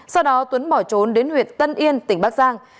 sau đó tuấn bỏ trốn đến huyện tân yên tỉnh bắc giang